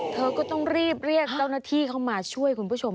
เธอก็ต้องรีบเรียกเจ้าหน้าที่เข้ามาช่วยคุณผู้ชม